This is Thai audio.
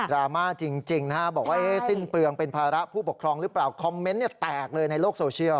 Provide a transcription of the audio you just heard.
รามาจริงนะฮะบอกว่าสิ้นเปลืองเป็นภาระผู้ปกครองหรือเปล่าคอมเมนต์แตกเลยในโลกโซเชียล